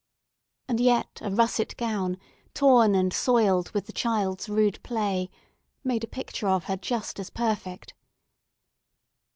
And yet a russet gown, torn and soiled with the child's rude play, made a picture of her just as perfect.